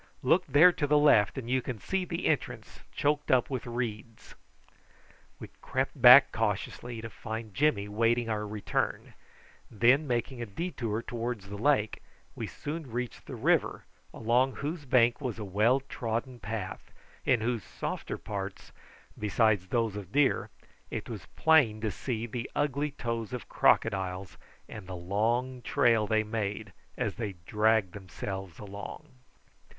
"Look there to the left, and you can see the entrance choked up with reeds." We crept back cautiously, to find Jimmy awaiting our return; and then making a detour towards the lake, we soon reached the river, along whose bank was a well trodden path, in whose softer parts, besides those of deer, it was plain to see the ugly toes of crocodiles, and the long trail they made as they dragged themselves along.